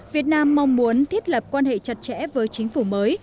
việt nam mong muốn thiết lập quan hệ chặt chẽ với chính phủ mới